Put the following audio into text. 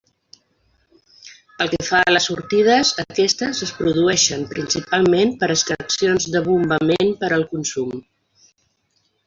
Pel que fa a les sortides, aquestes es produeixen principalment per extraccions de bombament per al consum.